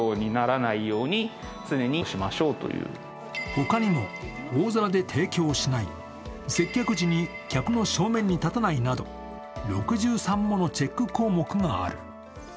他にも大皿で提供しない、接客時に客の正面に立たないなど６３ものチェック項目がある。